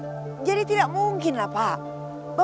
pacar ini jangan mau